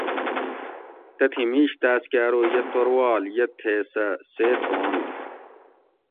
"تتھی میش تاۤس کہ ارو"" یہ توروال یہ تھے سہ سیت ھوانت"""